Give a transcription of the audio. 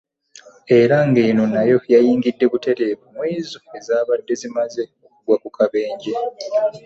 Era ng'eno nayo yayingidde butereevu mu zino ezaabadde zimaze okugwa ku kabenje.